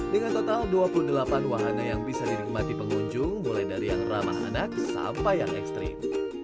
dengan total dua puluh delapan wahana yang bisa dinikmati pengunjung mulai dari yang ramah anak sampai yang ekstrim